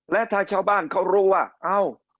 และถ้าชาวบ้านเขารู้ว่าเอ้า